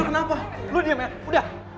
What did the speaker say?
kenapa lu diam ya udah